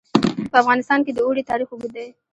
په افغانستان کې د اوړي تاریخ اوږد دی.